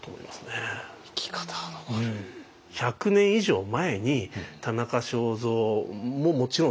１００年以上前に田中正造ももちろんそうだし